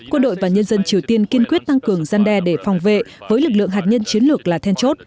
quân đội và nhân dân triều tiên kiên quyết tăng cường gian đe để phòng vệ với lực lượng hạt nhân chiến lược là then chốt